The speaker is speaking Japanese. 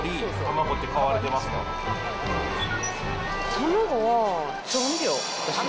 卵は調味料です。